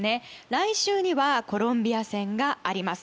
来週にはコロンビア戦があります。